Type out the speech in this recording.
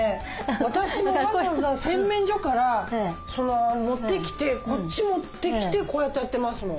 私もわざわざ洗面所から持ってきてこっち持ってきてこうやってやってますもん。